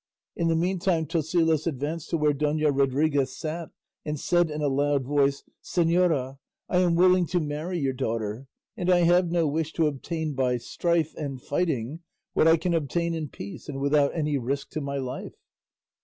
In the meantime Tosilos advanced to where Dona Rodriguez sat and said in a loud voice, "Señora, I am willing to marry your daughter, and I have no wish to obtain by strife and fighting what I can obtain in peace and without any risk to my life."